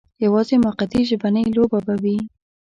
یوازې موقتي ژبنۍ لوبه به وي.